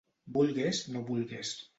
Vulgues no vulgues.